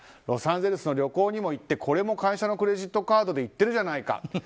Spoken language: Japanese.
ロサンゼルスに旅行にも行ってこれも会社のクレジットカードで行ってるじゃないか。